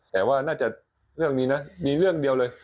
แต่ว่าน่าจะเรื่องนี้นะมีเรื่องเดียวเลย